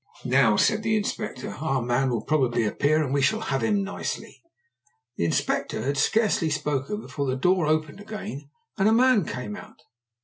"Now," said the Inspector, "our man will probably appear, and we shall have him nicely." The Inspector had scarcely spoken before the door opened again, and a man came out.